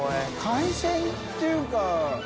海鮮っていうか。